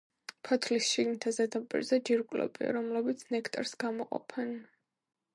ფოთლის შიგნითა ზედაპირზე ჯირკვლებია, რომლებიც ნექტარს გამოყოფენ.